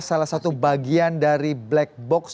salah satu bagian dari black box